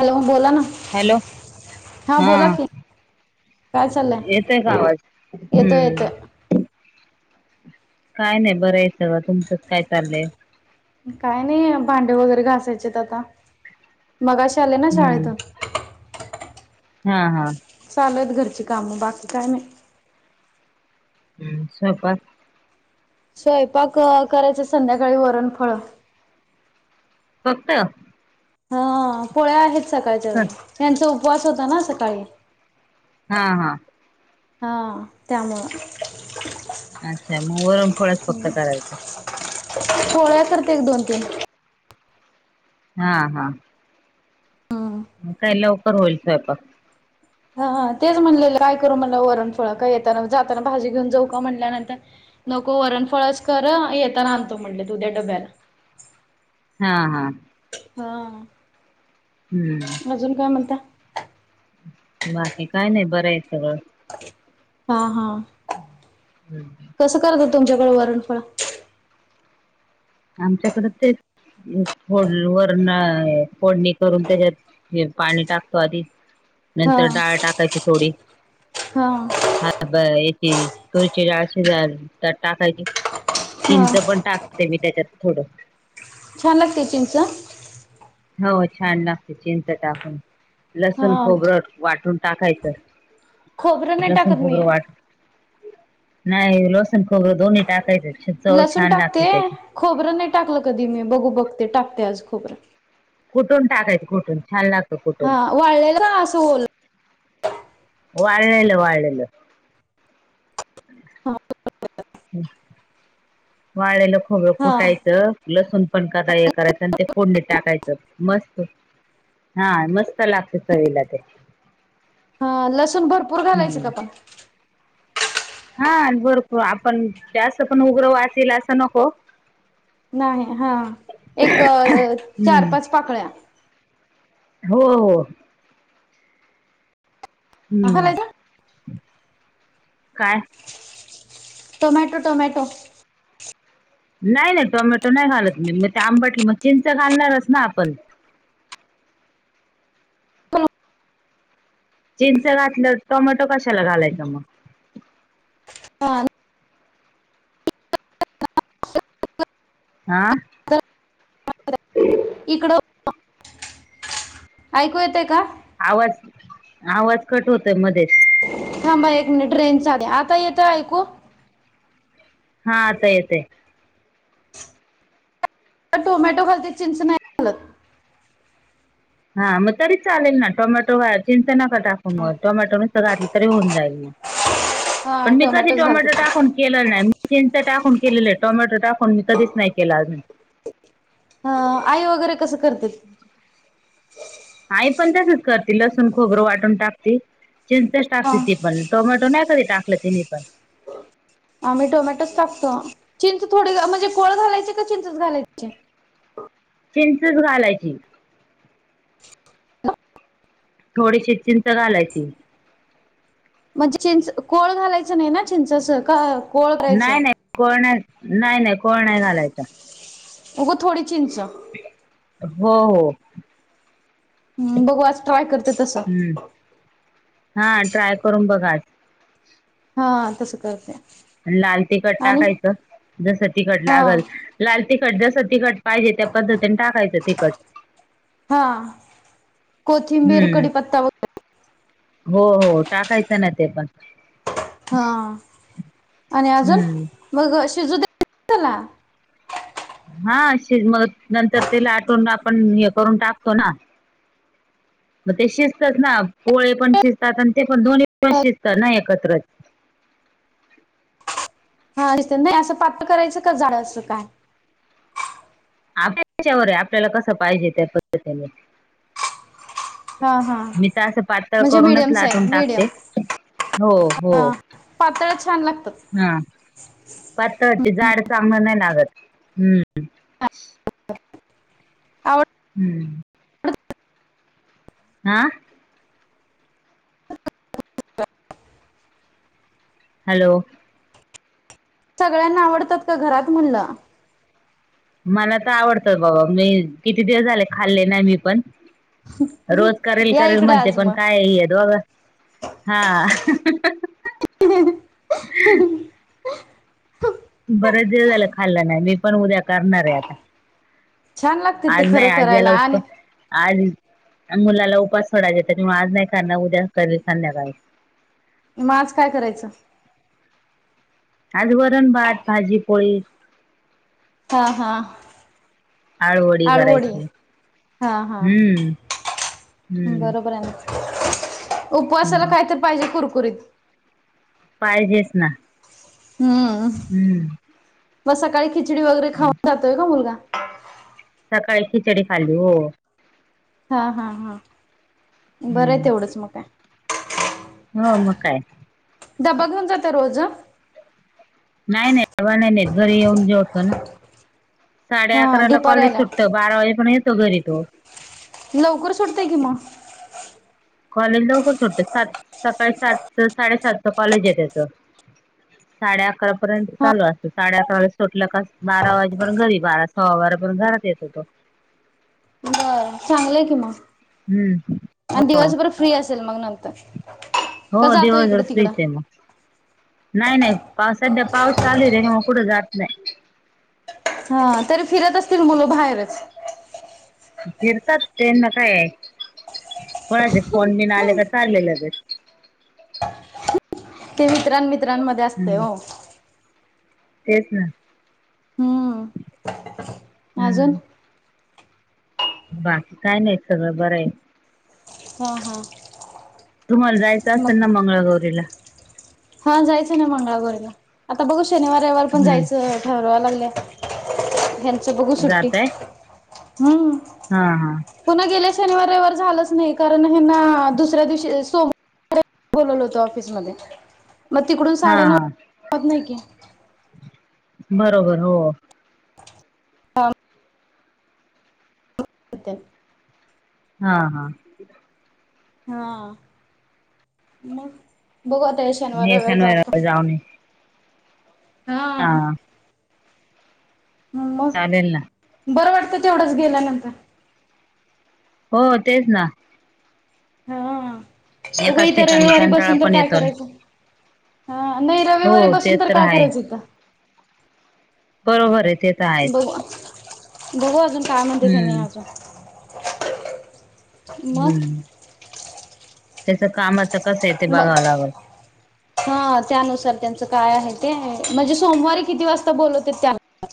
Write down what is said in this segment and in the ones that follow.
Hello बोला ना, hello हा बोला की. काय येतोय का आवाज चाललंय येतो हम्म येतो. काय नाही बरं आहे सगळं, तुमचंच काय चाललंय? काय नाही भांडे वगैरे घासायचेत आता मगाशी आले ना हम्म शाळेतून. हा हा. चालुहायत घरची कामं बाकी काय नाही. हम्म स्वयंपाक. स्वयंपाक करायचा संध्याकाळी वरणफळ. फक्त हा पोळ्या आहेत सकाळच्या त्यांचा उपवास होता ना सकाळी. हा हा. हा त्यामुळं. मग वरण फळ फक्त करायचं. पोळ्या करते एक दोन तीन‌. हा हा. हम्म मग काय लवकर होईल स्वयपाक. हा तेच म्हणलेलं काय करू म्हणला वरणफळं का येताना जाताना भाजी घेऊन जाऊ का म्हणल्यानंतर नको वरणफळच कर येेताना आनतो म्हटले त उद्या डब्याला. हा हा. हं. हम्म. अजून काय म्हणता? बाकी काय नाही, बरंय सगळं. हा हा. हम्म. कसं करतात तुमच्याकडं वरणफळं? आमच्याकडं तेच फोड वरणं फोडणी करून त्याच्यात, हे पाणी टाकतो आधी हा नंतर डाळ टाकायची थोडी हा. हा ब याची तुरीची डाळ शीजाय झ त्यात टाकायची. हा चिंच पण टाकते मी त्याच्यात थोडं. छान लागते चिंच? हो छान लागते चिंच टाकून, लसूण हा खोबरं वाटून टाकायचं. खोबरं नाही लसण टाकत मी खोबरं वाट, नाही लसण खोबरं दोन्ही टाकायचं. अशी चव लसूण छान लागते टाकते त्याची. खोबरं नाही टाकलं कधी मी, बघू बघते टाकते आज खोबरं. कुठून टाकायचं कुठून छान लागतं कुठून. वाळलेल़ का असं ओलं वाळेलेलं वाळलेलं. हां चालतंय. वाळे ल खोबं हा कुठा यचं [unintelligible] लसूण पण कदा हे करायचं, आणि ते फोडणीत टाकायचं मस्त हा मस्त लागतय चवीला ते हा लसूण भरपूर घालायचं हम्म. का पण हा भरपूर, आपण जास्त पण उग्र वास ईल असं नको. नाही हा, एक चार हम्म पाच पाकळ्या हो हो. हम्म घालायचा काय. Tomato tomato. नाही नाही टोमॅटो नाही घालत मी, मग ते आंबट हुईलं मग चिंच घालणारच ना आपण चिंच घातलं, टोमॅटो कशाला घालायचं मग. हा. आऽ नंतर इकडं, ऐकू येतय का? आवाज, आवाज कट होतोय मध्येच थांबा एक मिनिट रेंज चाले, आता येतय ऐकू हा आता येतय. टोमॅटो घालतोय चिंच नाही. घालत हा, म तरी चालेल ना टोमॅटो घाल चिंच नका टाकू मग, टोमॅटो नुसत घातलं तरी होऊन जाईल. हा पण मी कधी टोमॅटोच घालते टोमॅटो टाकून केलं नाही, मी चिंच टाकून केलेलं आहे, टोमॅटो टाकून मी कधीच नाही केलं अजून. हं, आई वगैरे कसं करत्यात? आई पण तसच करते लसूण खोबरं वाटून टाकते, चिंचच हा टाकते ती पण. टोमॅटो नाही कधी टाकलं तिनी पण, आम्ही टोमॅटोच टाकतो चिंच थोडी म्हणजे कोळ घालायचे का चिंच घालायची. चिंचच घालायची? थोडीशी चिंच घालायची. म्हणजे चिंच कोळ घालायचं नाही. ना चिंचाच का कोळ नाही करायचं नाही कोळ नाही नाही नाही कोळ नाही घालायचा. उगं थोडी चिंच, हो हो... बघू आज ट्राय करते तसं, हम्म हा ट्राय करून बघा. आज हा... तसं करते लाल तिखट आणि टाकायचं जस तिखट हा लागल. लाल तिखट जसं तिखट पाहिजे त्या पद्धतीने टाकायचं तिखट, हा,.. कोथिंबीर हम्म कडीपत्ता व हो हो टाकायचं नाही ते पण, हा आणि अजून हम्म मग शिजूद्यायचत्याला, हा शिज मग नंतर ते लाटुन आपण हे करून टाकतो ना. मग ते शिजतच ना पोळे पण शिजतात आणि ते पण दोन्ही पण शिजत ना एकत्र, हा नाही असं पातळ करायचं का जाड असं काय. हा ते आमच्यावर आहे आपल्याला कसं पाहिजे त्या पद्धतीने, हा हा मी तर असं पातळ म्हणजे करूनच मीडियम लाटून साईज मीडियम टाकते,.. हो. हो पातळच छान लागतात? हा.. पातळ ते जाड चांगलं नाही लागत हू, आवड हू! ! हा, हॅलो,.. सगळ्यांना आवडतात का घरात म्हणलं. मला तर आवडतं बाबा मी किती दिवस झाले खाल्ले नाही मी पण, रोज करेल, या करेल इकडं म्हणते आज पण मग कायहे दोग हा,... बरेच दिवस झालं खाल्लं नाही मी पण उद्या करणार आहे. आता छान लागते ते आज खरं नाही आज याला करायला आणि उपवास... आज मुलाला उपास सोडायचाय, त्याच्यामुळे आज नाही करणार उद्याच करेन संध्याकाळी. मग आज काय करायचं. काय तर वरण भात भाजी पोळी हा हा.. आळूवडी आलूवडी, करायची हा हा.. हम्म हम्म बरोबर आहे ना! उपवासाला कायतरी पाहिजे कुरकुरीत. पाहिजेच ना? हू.. हम्म.. मग सकाळी खिचडी वगैरे खाऊन जातोय का, मुलगा सकाळी खिचडी खाली हो. हा हा हा, बरं आहे हम्म तेवढंच मग काय हो, मग काय? डब्बा घेऊन जाता रोज? नाही नाही डब्बा नाही न्हेत घरी येऊन जेवतो ना, साडे हा अकराला दुपारी कॉलेज आल्यावर सुटत बारा वाजे पर्यत येतो घरी तो. लवकर सुटतय की म. कॉलेज लवकर सुटत सात सकाळी सातच साडेसातच कॉलेज आहे तेच साडे आकरा पर्यंत बर चालू असत साडे आकराला सुटल का बारा वाजेपर्यत घरी बारा सव्वा बारापर्यत घरात येतो तो. बरं चांगल आहे कि म. हुं, आण दिवसभर फ्री असेल मंग नंतर? हो का जातो दिवसभर इकडं फ्री तिकडं च आहे म. नाही नाही पावसात ड पाऊस चालू आहे तेनी म कुठं जात नाही. हा तरी फिरत असतील मुलं बाहेरच? फिरतात त्यांना काय, कोणाचे फोन बिन आले का चालले लगेच. ते मित्रां मित्रांमध्ये आसतय हम्म ओ. तेच ना, हम्म अजून हुं, बाकी काय नाही, सगळं बरं आहे. हा हा, तुम्हाला जायचं आसन मग ना मंगळागौरीला? हा जायचं ना मंगळागौरीला, आता बघू शनिवार, रविवार, पण हम्म जायचं ठरवाय लागले ह्यांच बघू सुट्टी जातय हुं, हा हा, पुन्हा गेल्या शनिवार रवीवार झालंच नाही, कारण ह्यांना दुसऱ्या दिवशी सोम बोलवल होत ऑफिसमध्ये, म तिकडून हा साडेनऊ हा [unintelligible] जमत नाही की, बरोबर हो. काम [unintelligible] तेन हा हा, हा, मग बघु आता ह्या शनिवार हे रविवारी जातो. शनिवार हा हां, मग चालेल ना बरं वाटतं तेवढंच गेल्यानंतर. हो तेच ना, हा उग एकाच इथं ठिकाणी रविवारी कंटाळा बसून तर पण काय येतो ना. करायचं. ह नाही हो रविवारी ते बसून तर काय आहे करायचं इथ. बरोबर आहे, ते तर आहेच ब बघू आजून काय म्हणत्यात ह्यानी हम्म आजून हुं तेच कामाच कस आहे ते मग बघावं लागल. हा त्यानुसार त्यांचं काय आहे ते म्हणजे सोमवारी किती वाजता बोलवत्यात त्या [unintelligible]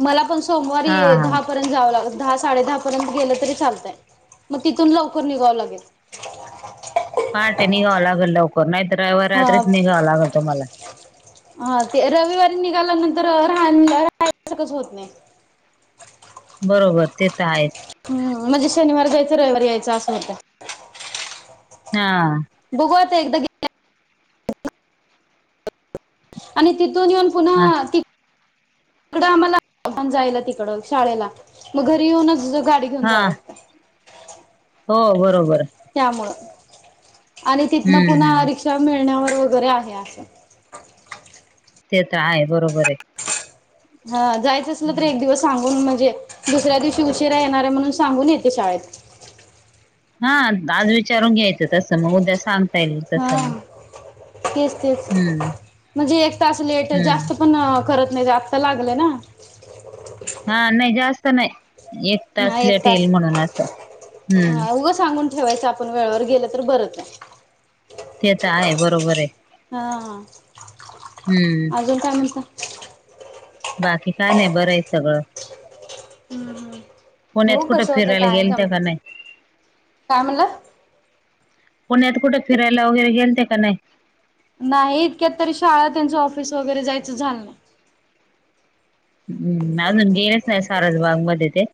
मला पण सोमवारी हा हा दहा प पर्यंत जावं लागलं दहा साडे दहापर्यंत गेलं तरी चालतंय, म तिथून लवकर निघावं लागेल. पहाटे निघावं लागल लवकर नाही तर रविवार हा रात्रीच निघावं लागल तुम्हाला. हा ते रविवारी निघाल्यानंतर राह [unintelligible] कसं होत नाही बरोबर, ते त आहेच. ह म्हणजे शनिवार जायचं, रविवारी यायचं असं होत. ज्ञा बघू आता एकदा कि आणि तिथून येऊन हा पुन्हा ती तिकडं आम्हांला जायला तिकडं शाळेला मग घरी येऊनच गाडी घेऊन हा, जावं लागतं हो बरोबर. त्यामुळं आणि तिथनं हम्म पुन्हा हम्म रिक्षा मिळण्यावर वगैरे आहे असं. ते तर आहे बरोबर आहे. हा जायचं असलं तर एक दिवस सांगून म्हणजे, दुसऱ्या दिवशी उशिरा येणार आहे म्हणून सांगून येते शाळेत. हा आज विचारून घ्यायचं तसं मग उद्या सांग हां तेच- तेच हम्म म्हणजे एक तास लेट हम्म जास्त पण करत नाहीत आत्ता लागलं ना. हा नाही जास्त नाही, एक तास हा एक लेट येईल म्हणून असं हूं.. उग सांगून ठेवायचं आपण वेळेवर गेलं तर बरंच. ते तर आहे बरोबर आहे. हा हम्म अजून काय म्हणता? बाकी काय नाही, बरं आहे सगळं. हम्म पुण्यात बघू कुठं कसं होते फिरायला काय जम गेलत्या का नाही? काय म्हणला पुण्यात कुठं फिरायला वगैरे गेलत्या का नाही.? नाही इतक्यात तरी शाळा, त्यांचं ऑफिस वगैरे जायचं झालं नाही. हुं.. अजून गेलेच नाही सारज बागमध्ये तेन?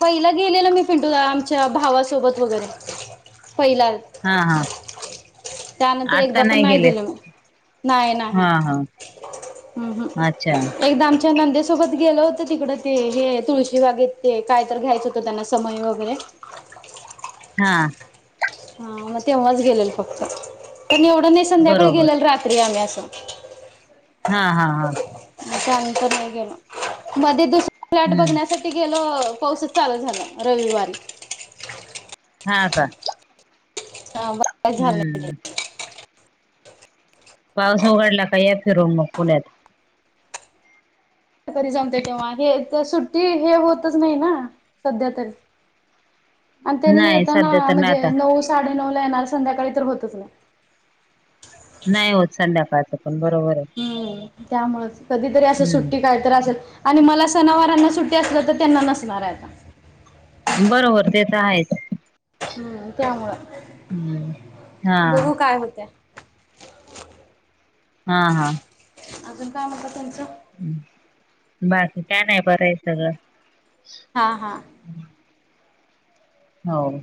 पहिला गेलेलं मी पिंटू दा आमच्या भावासोबत वगैरे. पहिला हा, हा. त्यानंतर आता एकदा पण नाही गेले गेलो मी, नाही -नाही. हा हा ह. ह.. अच्छा एकदा आमच्या नंदे सोबत गेलं होतो तिकडं ते हे, तुळशीबागेत ते कायतर घ्यायचं होतं त्यांना समई वगैरे. हां... हा मग तेव्हाचं गेलेल फक्त, पण एवढं नाही संध्याकाळी बरोबर गेलेलं रात्री आम्ही असं. ह, हां, हां... त्यानंतर नाही गेलो, मध्ये दुसर फ्लॅट हम्म बघण्यासाठी ते गेलो पाऊसच चालू झालं रविवारी. हा, का. हां बघ काय झालं नाही म्हणजे. हम्म पाऊस उघडला का, या फिरून मग पुण्यात. आता कधी जमतंय तेव्हा हे सुट्टी हे होतच नाही ना, सध्या तरी. आणि तेनी नाही येताना सध्या तर नाही म्हणजे आता नऊ -साडे नऊला येणार संध्याकाळी तर होतच नाही. नाही होत संध्याकाळचं पण बरोबर आहे. हं.. त्यामुळेच कधीतरी असं सुट्टी हम्म कायतर असेल आणि मला सणावारांना सुट्टी असलं, तर त्यांना नसणार आहे आता. बरोबर ते तर आहेच. हम्म त्यामुळं हुं.. हा.. बघू काय होतयं. हा, हा. अजून काय म्हणता तुमचं? बाकी काय नाई, बरंय सगळं. हा हा हो.